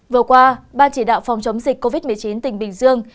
vừa qua ban chỉ đạo phòng chống dịch covid một mươi chín tỉnh bình dương